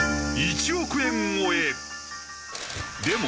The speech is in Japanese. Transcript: １億円超え！